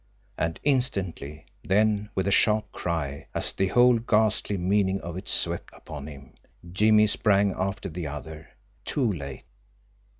And instantly then, with a sharp cry, as the whole ghastly meaning of it swept upon him, Jimmie sprang after the other too late!